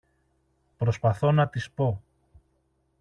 Προσπαθώ να της πω